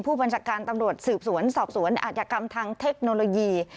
ผู้บัญชาการตำรวจสืบสวนสอบสวนอาจยกรรมทางเทคโนโลยี